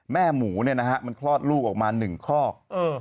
แม่หมูเนี่ยนะฮะมันคลอดลูกออกมา๑คลอก